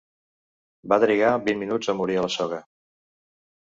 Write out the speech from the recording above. Va trigar vint minuts a morir a la soga.